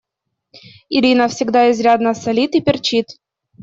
Ирина всегда изрядно солит и перчит.